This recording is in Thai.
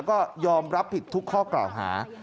ก็ยอมรับผิดทุกข้อกล่าวหา